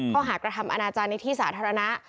ข้อหากระทำอนาจารย์ในที่สาธารณะ